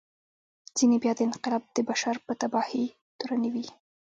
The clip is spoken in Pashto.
ځینې بیا دا انقلاب د بشر په تباهي تورنوي.